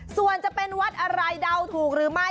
ส่วนจะเป็นวัดอะไรเดาถูกหรือไม่